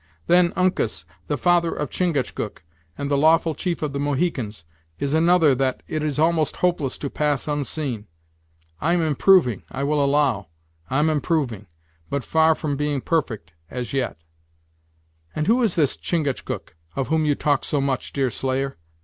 Then Uncas, the father of Chingachgook, and the lawful chief of the Mohicans, is another that it is almost hopeless to pass unseen. I'm improving, I will allow I'm improving, but far from being perfect, as yet." "And who is this Chingachgook, of whom you talk so much, Deerslayer!"